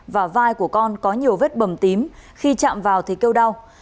và vai của con có nhiều vết bầm tím khi chạm vào thì kêu đau